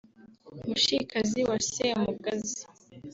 Mushikazi wa Semugazi